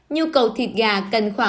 nhu cầu thịt gà cần khóa